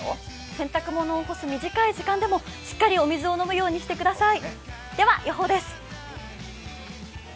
洗濯物を干す短い時間でもしっかりお水を飲むようにしてください。